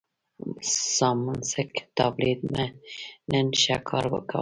سامسنګ ټابلیټ مې نن ښه کار کاوه.